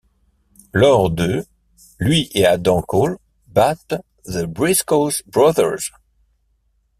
Lors de ', lui et Adam Cole battent The Briscoe Brothers.